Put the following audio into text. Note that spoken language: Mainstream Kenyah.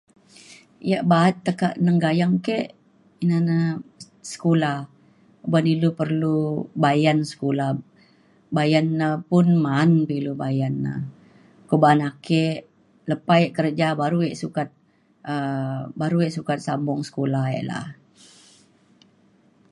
yak ba’at tekak neng gayeng ke ina na sekula uban ilu perlu bayan sekula bayan na pun ma’an pe ilu bayan na. kuak ba’an ake lepa e kerja baru e sukat um baru e sukat sambung sekula e la’a.